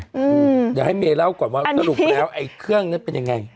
เดี๋ยวให้เมย์เล่าก่อนว่าสรุปแล้วไอ้เครื่องนั้นเป็นยังไง